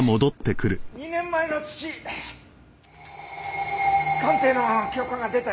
２年前の土鑑定の許可が出たよ。